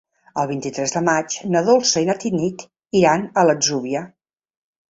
El vint-i-tres de maig na Dolça i na Tanit iran a l'Atzúbia.